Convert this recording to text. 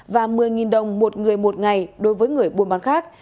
và một mươi đồng một người một ngày đối với người buôn bán khác